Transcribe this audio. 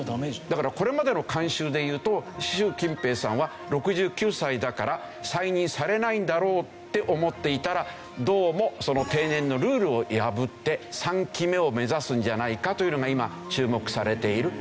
だからこれまでの慣習で言うと習近平さんは６９歳だから再任されないんだろうって思っていたらどうもその定年のルールを破って３期目を目指すんじゃないかというのが今注目されているという事ですね。